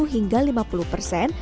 dua puluh hingga lima puluh persen